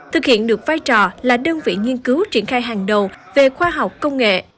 thực hiện được vai trò là đơn vị nghiên cứu triển khai hàng đầu về khoa học công nghệ